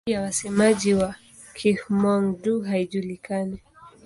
Idadi ya wasemaji wa Kihmong-Dô haijulikani.